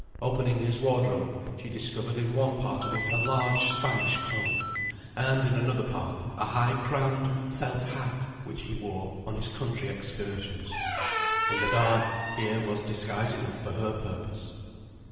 Opening his wardrobe, she discovered in one part of it a large Spanish cloak, and, in another part, a high crowned felt hat which he wore on his country excursions. In the dark, here was disguise enough for her purpose.